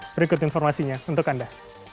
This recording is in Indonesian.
berikut informasinya untuk anda